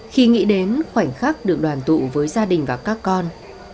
khi nghĩ đến khoảnh khắc được đoàn tụ với gia đình và các con